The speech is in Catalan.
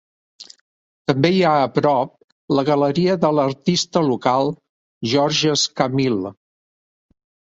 També hi ha a prop la galeria de l'artista local Georges Camille.